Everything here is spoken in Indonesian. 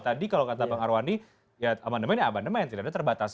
tadi kalau kata bang arwani ya amandemen ya amandemen tidak ada terbatas